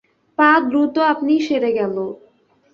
পা দ্রুত আপনি গেল সরে।